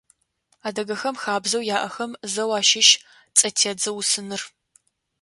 Адыгэхэм хабзэу яӀэхэм зэу ащыщ цӀэтедзэ усыныр.